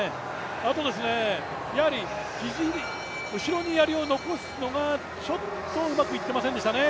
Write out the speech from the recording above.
あと、やはり肘後ろにやりを残すのがちょっとうまくいってなかったですね。